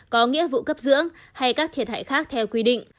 có nghĩa vụ cấp dưỡng hay các thiệt hại khác theo quy định